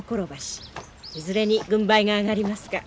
いずれに軍配が上がりますか。